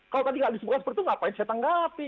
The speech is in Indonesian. kalau tadi nggak disebutkan seperti itu ngapain saya tanggapi